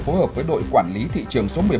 phối hợp với đội quản lý thị trường số một mươi bảy